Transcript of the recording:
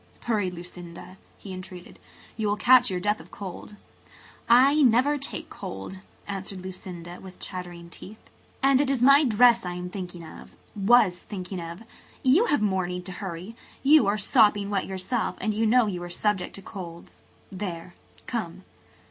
"Hurry, Lucinda," he entreated. "You will catch your death of cold." "I never take cold," answered Lucinda, with chattering teeth. "And it is my dress I am thinking of–was thinking of. You have more need to hurry. You are sopping wet yourself and you know you are subject to colds. There–come."